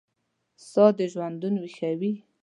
ساه دژوندون ویښوي